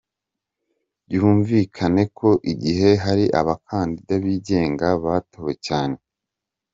Byumvikane ko igihe hari abakandida bigenga batowe cyane